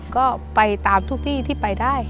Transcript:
ก็ไปตามทุกที่ที่ไปได้